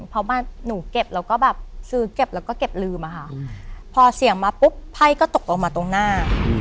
เพราะว่าหนูเก็บแล้วก็แบบซื้อเก็บแล้วก็เก็บลืมอะค่ะพอเสี่ยงมาปุ๊บไพ่ก็ตกลงมาตรงหน้า